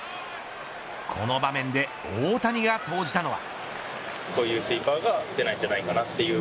この場面で、大谷が投じたのは。